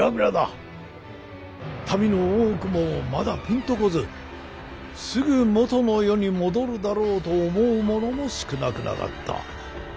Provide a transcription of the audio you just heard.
民の多くもまだピンと来ずすぐもとの世に戻るだろうと思う者も少なくなかった。